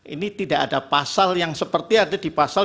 ini tidak ada pasal yang seperti ada di pasal dua puluh